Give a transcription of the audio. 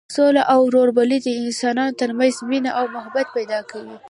سوله او ورورولي د انسانانو تر منځ مینه او محبت پیدا کوي.